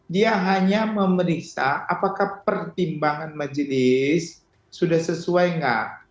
dia hanya memeriksa apakah pertimbangan majelis sudah sesuai enggak